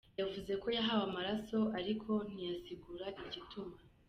Yavuze ko yahawe amaraso ariko ntiyasigura igituma.